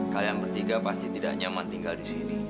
kalian bertiga pasti tidak nyaman tinggal disini